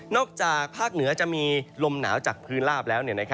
จากภาคเหนือจะมีลมหนาวจากพื้นลาบแล้ว